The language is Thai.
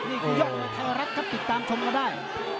นี่พ้่อยก็ท่านรักครับติดตามชมกันได้